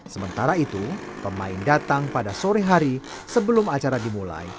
sementara itu pemain datang pada sore hari sebelum acara dimulai